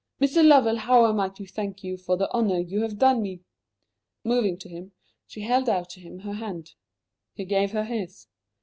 Mr. Lovell, how am I to thank you for the honour you have done me?" Moving to him, she held out to him her hand. He gave her his.